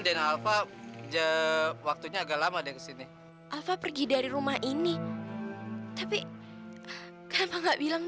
denga alva jauh waktunya agak lama deh kesini alva pergi dari rumah ini tapi kenapa enggak bilang